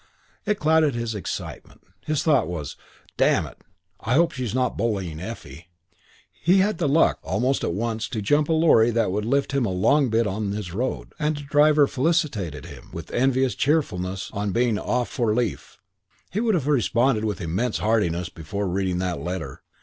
It clouded his excitement. His thought was, "Damn it, I hope she isn't bullying Effie." He had the luck almost at once to jump a lorry that would lift him a long bit on his road, and the driver felicitated him with envious cheerfulness on being off for "leaf." He would have responded with immense heartiness before reading that letter.